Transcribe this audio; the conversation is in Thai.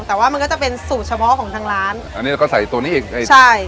แต่ว่ามันก็จะเป็นสูตรเฉพาะของทางร้านอันนี้เราก็ใส่ตัวนี้อีกใช่